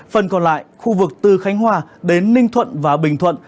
phần còn lại khu vực từ khánh hòa đến ninh thuận và bình thuận